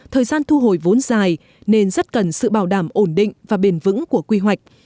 thời gian thu hồi vốn dài nên rất cần sự bảo đảm ổn định và bền vững của quy hoạch